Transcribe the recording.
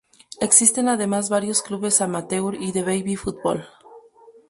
Existen además varios clubes amateur y de baby fútbol.